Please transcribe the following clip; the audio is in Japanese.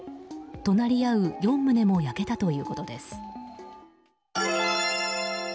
隣り合う４棟も焼けたということです。